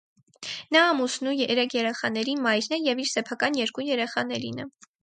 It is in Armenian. Նա ամուսնու երեք երեխաների մայրն է և իր սեփական երկու երեխաներինը։